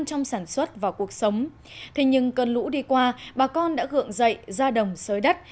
trong sản xuất và cuộc sống thế nhưng cơn lũ đi qua bà con đã gượng dậy ra đồng sới đất